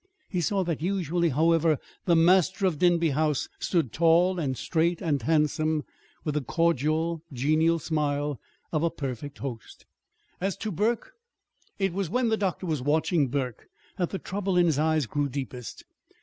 He saw that usually, however, the master of Denby House stood tall and straight and handsome, with the cordial, genial smile of a perfect host. As to Burke it was when the doctor was watching Burke that the trouble in his eyes grew deepest.